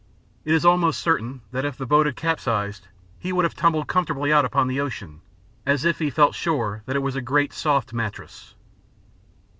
It is almost certain that if the boat had capsized he would have tumbled comfortably out upon the ocean as if he felt sure that it was a great soft mattress.